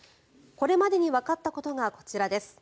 これまでにわかったことがこちらです。